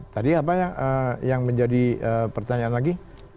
tadi apa yang menjadi pertanyaan lagi